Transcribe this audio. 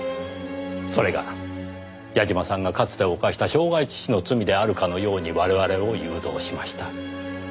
それが矢嶋さんがかつて犯した傷害致死の罪であるかのように我々を誘導しました。